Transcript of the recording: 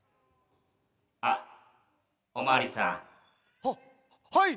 あっおまわりさん。ははい！